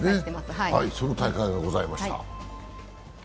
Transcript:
その大会がございました。